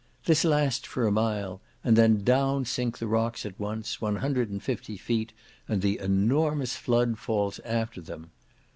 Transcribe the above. This lasts for a mile, and then down sink the rocks at once, one hundred and fifty feet, and the enormous flood falls after them.